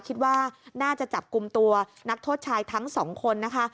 คิดว่าน่าจะจับกลุ่มตัวนักโทษชายทั้งสองคนนะคะ